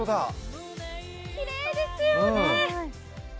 きれいですよね。